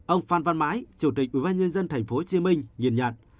ông phan văn mãi chủ tịch ubnd tp hcm nhìn nhận